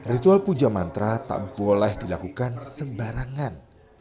ritual puja mantra tak boleh dilakukan sembarangan